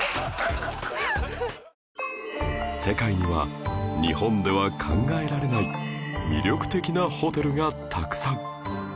世界には日本では考えられない魅力的なホテルがたくさん